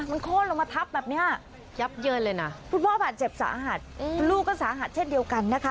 มันโค้นลงมาทับแบบนี้ยับเยินเลยนะคุณพ่อบาดเจ็บสาหัสลูกก็สาหัสเช่นเดียวกันนะคะ